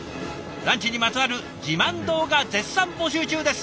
ランチにまつわる自慢動画絶賛募集中です。